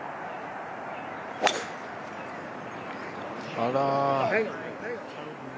あら。